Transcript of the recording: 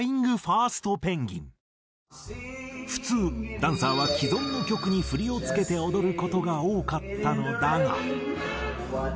普通ダンサーは既存の曲に振りを付けて踊る事が多かったのだが。